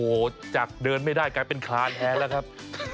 โอ้โหจากเดินไม่ได้กลายเป็นคลานแทนแล้วครับ